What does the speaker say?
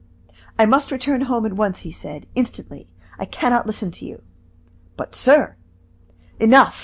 "I must return home at once," he said, "instantly; I can not listen to you." "But, sir " "Enough!